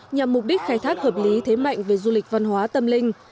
nhằm mục đích khai thác hợp lý thế mạnh về du lịch văn hóa tâm linh